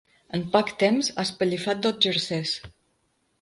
En poc temps, ha espellifat dos jerseis.